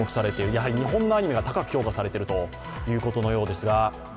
やはり日本のアニメが高く評価されているようですが。